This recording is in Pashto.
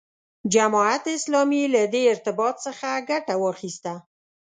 جماعت اسلامي له دې ارتباط څخه ګټه واخیسته.